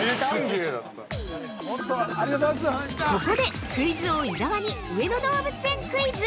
◆ここで、クイズ王・伊沢に上野動物園クイズ！